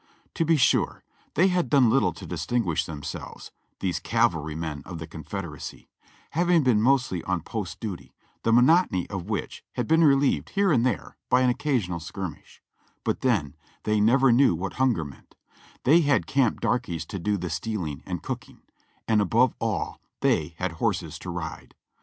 To be sure they had done little to distinguish themselves, these cavalrymen of the Confederacy, having been mostly on post duty, the monotony of which had been relieved here and there by an occasional skirmish ; but then they never knew what hunger meant; they had camp darkies to do the stealing and cooking; and above all they had horses to ride.